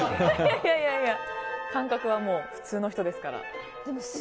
いやいや感覚は普通の人ですから。